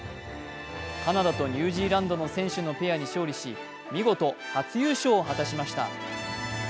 カナダとニュージーランドの選手のペアに勝利し見事初優勝を果たしました。